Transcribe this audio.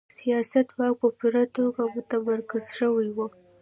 سیاسي واک په پوره توګه متمرکز شوی و.